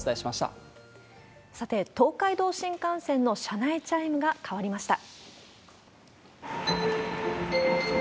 さて、東海道新幹線の車内チャイムが変わりました。